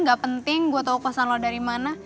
gak penting gue tau kosan lo dari mana